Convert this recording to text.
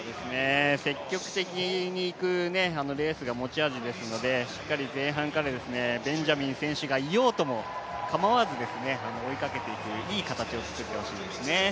積極的にいくレースが持ち味ですので、しっかり前半からベンジャミン選手がいようとも構わず追いかけていくいい形を作ってほしいですね。